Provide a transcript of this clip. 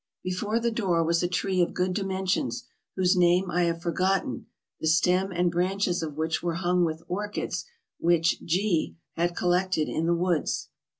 Before the door was a tree of good dimensions, whose name I have forgotten, the stem and branches of which were hung with orchids which G had collected in the woods.